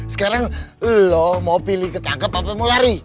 sekarang loh mau pilih ketangkep apa mau lari